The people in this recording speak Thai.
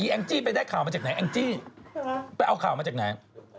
แองจี้ไปได้ข่าวมาจากไหนแองจี้ไปเอาข่าวมาจากไหน